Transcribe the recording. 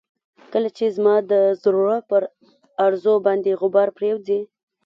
کله چې زما د زړه پر ارزو باندې غبار پرېوځي.